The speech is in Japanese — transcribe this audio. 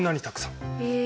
へえ。